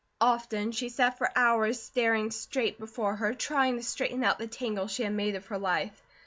Often she sat for hours staring straight before her, trying to straighten out the tangle she had made of her life.